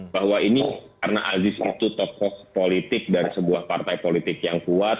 bahwa ini karena aziz itu tokoh politik dari sebuah partai politik yang kuat